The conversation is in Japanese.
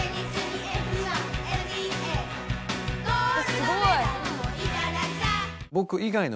すごい！